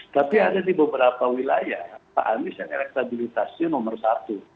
tapi ada di beberapa wilayah pak anies yang elektabilitasnya nomor satu